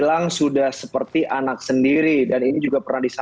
maka seperti biasa